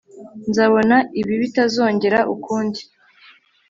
nzabona ibi bitazongera ukundi